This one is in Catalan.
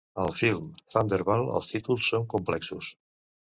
Al film "Thunderball", els títols són complexos.